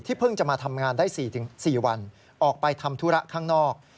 เพิ่งจะมาทำงานได้๔วันออกไปทำธุระข้างนอก